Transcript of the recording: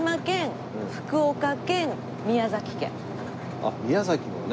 あっ宮崎もね。